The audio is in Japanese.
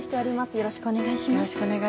よろしくお願いします。